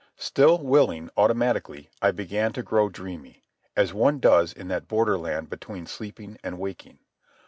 Still willing automatically, I began to grow dreamy, as one does in that borderland between sleeping and waking.